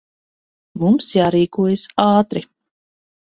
Mums jārīkojas ātri.